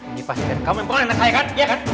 ini pak citra kamu yang pernah ngesel ya kan